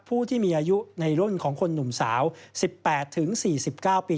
ผู้ที่มีอายุในรุ่นของคนหนุ่มสาว๑๘๔๙ปี